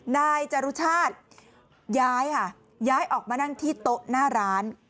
นายจรุชาติย้ายค่ะย้ายออกมานั่งที่โต๊ะหน้าร้าน